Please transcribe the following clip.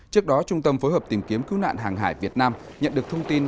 trước đó trung tâm phối hợp tìm kiếm cứu nạn hàng hải việt nam nhận được thông tin